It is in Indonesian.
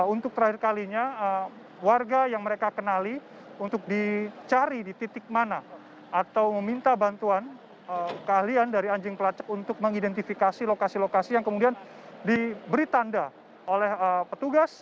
untuk terakhir kalinya warga yang mereka kenali untuk dicari di titik mana atau meminta bantuan keahlian dari anjing pelacak untuk mengidentifikasi lokasi lokasi yang kemudian diberi tanda oleh petugas